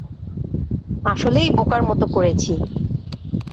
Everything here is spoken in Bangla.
আসলেই বোকার মত করেছি!